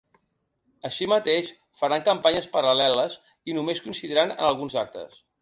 Així mateix, faran campanyes paral·leles i només coincidiran en alguns actes.